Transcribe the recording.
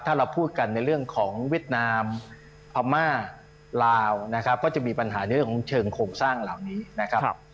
ถ้าเราพูดกันในเรื่องของเวียดนามพม่าลาวนะครับก็จะมีปัญหาในเรื่องของเชิงโครงสร้างเหล่านี้นะครับ